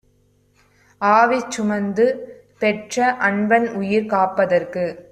ஆவி சுமந்துபெற்ற அன்பன்உயிர் காப்பதற்குக்